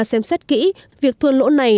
xem xét kỹ việc thua lỗ này